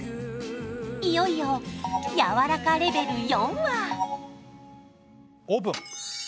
いよいよやわらかレベル４はオープン！